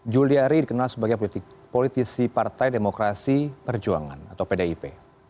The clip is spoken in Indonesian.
juliari dikenal sebagai politisi partai demokrasi perjuangan atau pdip